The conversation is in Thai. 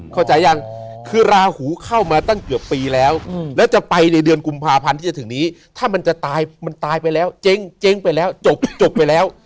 เข้าใจยังคือราหูเข้ามาตั้งเกือบปีแล้วแล้วจะไปในเดือนกุมภาพันธ์ที่จะถึงนี้ถ้ามันจะตายมันตายไปแล้วเจ๊งไปแล้วจบไปแล้ว